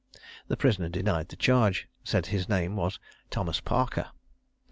The prisoner denied the charge, and said his name was Thomas Parker.